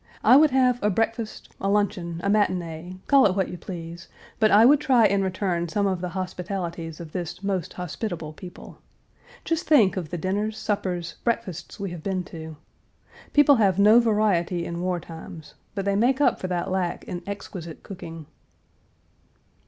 I would have a breakfast, a luncheon, a matinee, call it what you please, but I would try and return some of the hospitalities of this most hospitable people. Just think of the dinners, suppers, breakfasts we have been to. People have no variety in war times, but they make up for that lack in exquisite cooking.